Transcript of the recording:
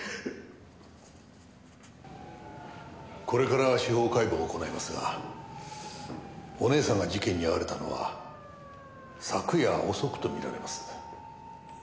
これから司法解剖を行いますがお姉さんが事件に遭われたのは昨夜遅くと見られます。